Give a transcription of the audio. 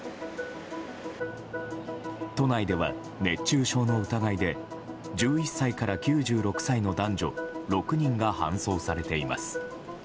都内では、熱中症の疑いで１１歳から９６歳の男女６人が搬送されています。